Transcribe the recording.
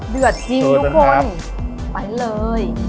เดือดจริงทุกคนไปเลย